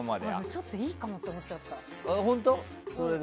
ちょっと、いいかもと思っちゃった。